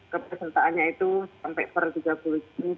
kepesertaannya itu sampai per tiga puluh juni dua ribu dua puluh